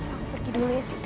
aku pergi dulu ya sih